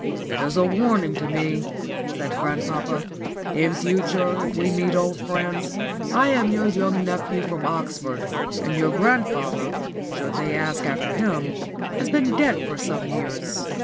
"It is a warning to me," said grandpapa. "In future if we meet old friends, I am your young nephew from Oxford; and your grandfather, should they ask after him, has been dead for some years.